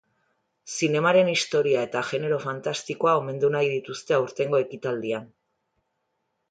Zinemaren historia eta genero fantastikoa omendu nahi dituzte aurtengo ekitaldian.